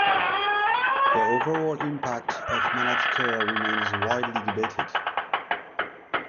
The overall impact of managed care remains widely debated.